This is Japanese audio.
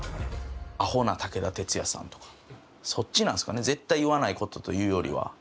アホな武田鉄矢さんとかそっちなんですかね絶対言わないことというよりは。